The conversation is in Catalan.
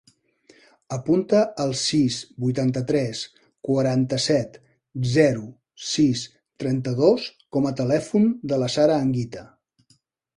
Apunta el sis, vuitanta-tres, quaranta-set, zero, sis, trenta-dos com a telèfon de la Sara Anguita.